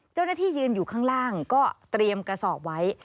เจ้าหน้าที่ยืนอยู่ข้างล่างก็เตรียมกระสอบไว้